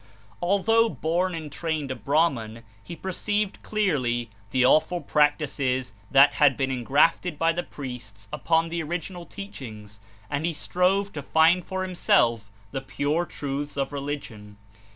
Although born and trained a Brahman, he perceived clearly the awful practices that had been engrafted by the priests upon the original teachings, and he strove to find for T^S himself the pure truths of Religion.